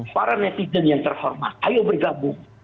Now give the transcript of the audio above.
para netizen yang terhormat ayo bergabung